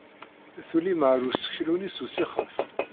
Tulim ar useklu-nni s usixef.